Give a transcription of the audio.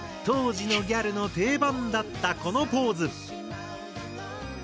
当時のギャルの定番だったこのポーズ。